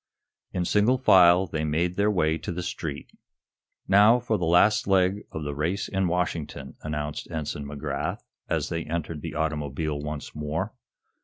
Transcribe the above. In single file they made their way to the street. "Now, for the last leg of the race in Washington," announced Ensign McGrath, as they entered the automobile once more.